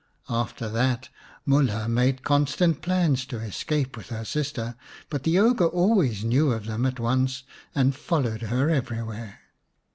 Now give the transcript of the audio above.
After that Mulha made constant plans to escape with her sister, but the ogre always knew of them at once and followed her everywhere.